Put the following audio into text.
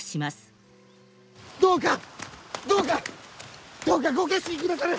どうかどうかどうかご決心くだされ。